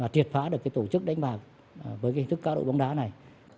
triệt phá được tổ chức đánh bạc với hình thức cá độ bóng đá này